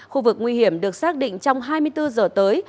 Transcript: khu vực nguy hiểm được xác định trong hai mươi bốn giờ tới